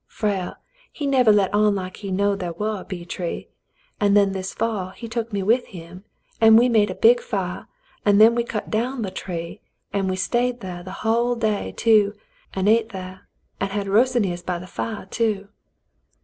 ^" "Frale, he nevah let on like he know'd thar war a bee tree, an' then this fall he took me with him, an' we made a big fire, an' then w^e cut down th' tree, an' we stayed thar th' hull day, too, an' eat thar an' had ros'n ears by th' fire, too."